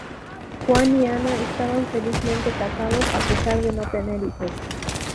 Juan y Ana estaban felizmente casados, a pesar de no tener hijos.